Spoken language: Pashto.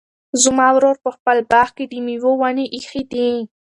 زما ورور په خپل باغ کې د مېوو ونې ایښي دي.